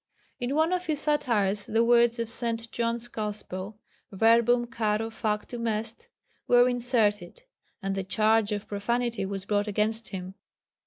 In one of his satires the words of St. John's Gospel, verbum caro factum est, were inserted; and the charge of profanity was brought against him.